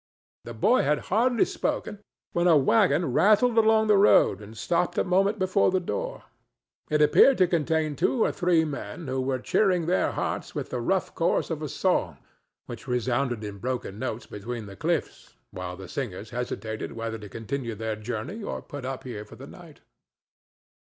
The boy had hardly spoken, when a wagon rattled along the road and stopped a moment before the door. It appeared to contain two or three men who were cheering their hearts with the rough chorus of a song which resounded in broken notes between the cliffs, while the singers hesitated whether to continue their journey or put up here for the night.